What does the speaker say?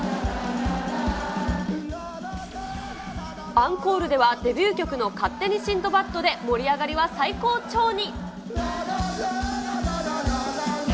アンコールではデビュー曲の勝手にシンドバッドで盛り上がりは最高潮に。